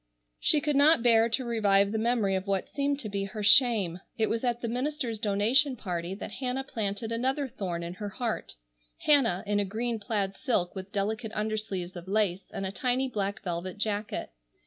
She could not bear to revive the memory of what seemed to be her shame. It was at the minister's donation party that Hannah planted another thorn in her heart,—Hannah, in a green plaid silk with delicate undersleeves of lace, and a tiny black velvet jacket.